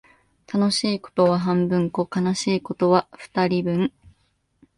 楽しいことは半分こ、悲しいことは二人分